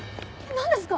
何ですか？